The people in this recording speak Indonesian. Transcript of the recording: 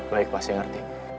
baik pak saya ngerti